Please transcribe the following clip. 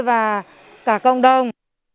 và cả công đồng